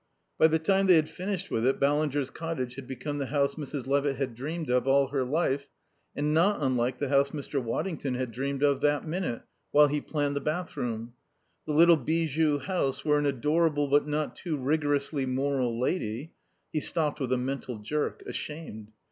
By the time they had finished with it Ballinger's cottage had become the house Mrs. Levitt had dreamed of all her life, and not unlike the house Mr. Waddington had dreamed of that minute (while he planned the bathroom); the little bijou house where an adorable but not too rigorously moral lady He stopped with a mental jerk, ashamed.